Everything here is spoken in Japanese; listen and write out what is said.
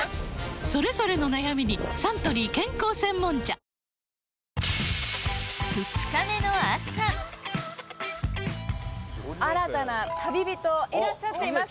それぞれの悩みにサントリー健康専門茶２日目の朝新たな旅人いらっしゃっています。